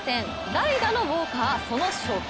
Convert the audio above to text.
代打のウォーカー、その初球。